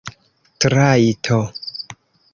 trajto